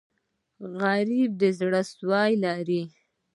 غریب د زړه سوز لري